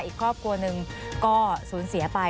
อีกครอบครัวหนึ่งก็สูญเสียไป